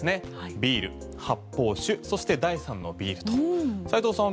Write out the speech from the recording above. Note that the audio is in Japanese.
ビール発泡酒そして第３のビール斎藤さん